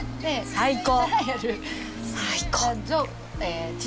最高！